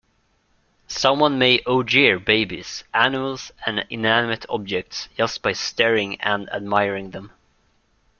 Someone may "ojear" babies, animals and inanimate objects just by staring and admiring them.